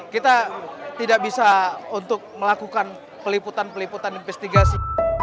kita tidak bisa untuk melakukan peliputan peliputan investigasi